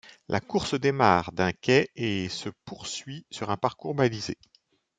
La course démarre d’un quai et se poursuit sur un parcours balisé.